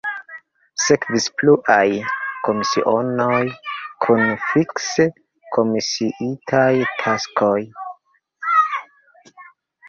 Sekvis pluaj komisionoj kun fikse komisiitaj taskoj.